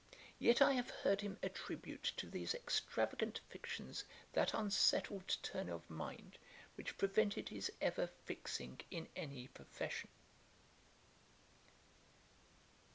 Yet I have heard him attribute to these extravagant fictions that unsettled turn of mind which prevented his ever fixing in any profession.'